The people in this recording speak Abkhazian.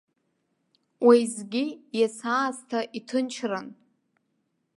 Уеизгьы иацы аасҭа иҭынчран.